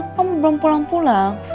kamu belum pulang pulang